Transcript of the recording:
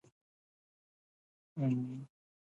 ده وېره درلوده چې په جنګ کې به ډېر کسان ووژل شي.